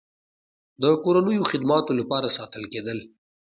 د کورنیو خدماتو لپاره ساتل کېدل.